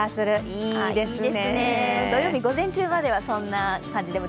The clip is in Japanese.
いいですね。